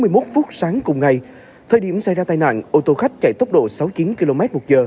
một phút sáng cùng ngày thời điểm xảy ra tai nạn ô tô khách chạy tốc độ sáu mươi chín kmh